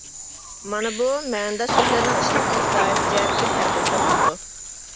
مانا بۇ مەنىداش سۆزلەرنىڭ ئىشلىتىلىش دائىرىسى جەھەتتىكى پەرقى ھېسابلىنىدۇ.